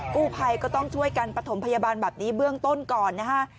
กู้ภัยก็ต้องช่วยกันปฐมพยาบาลแบบนี้เบื้องต้นก่อนนะฮะ